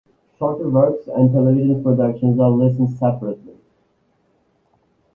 Shorter works and television productions are listed separately.